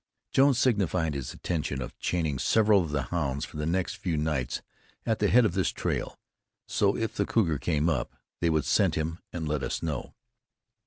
Jones signified his intention of chaining several of the hounds for the next few nights at the head of this trail; so if the cougar came up, they would scent him and let us know.